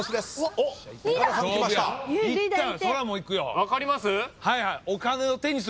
分かります？